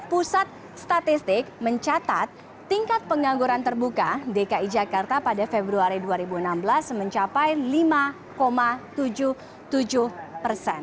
pusat statistik mencatat tingkat pengangguran terbuka dki jakarta pada februari dua ribu enam belas mencapai lima tujuh puluh tujuh persen